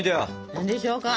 何でしょうか？